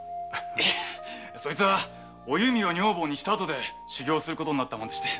それはお弓を女房にしたあとで修行することになったもんで。